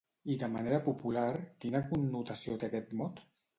I de manera popular, quina connotació té aquest mot?